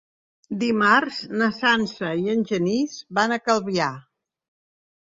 Dimarts na Sança i en Genís van a Calvià.